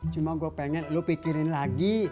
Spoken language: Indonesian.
cuma gue pengen lu pikirin lagi